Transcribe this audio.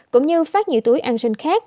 cũng như phát nhiều túi an sinh khác